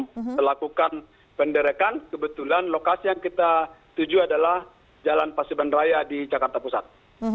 kita lakukan penderekan kebetulan lokasi yang kita tuju adalah jalan pasuban raya di jakarta pusat